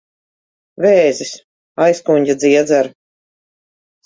Vēzis. Aizkuņģa dziedzera.